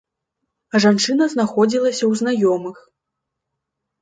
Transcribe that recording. Жанчына знаходзілася ў знаёмых.